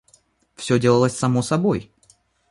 Всё делалось само собой.